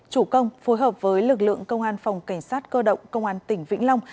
chủ công phối hợp với lực lượng công an phòng cảnh sát cơ động công an tỉnh vĩnh long